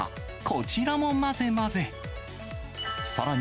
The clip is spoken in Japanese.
こちらも混ぜ混ぜ。